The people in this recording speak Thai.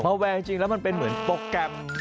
พอแวร์จริงแล้วมันเป็นเหมือนโปรแกรม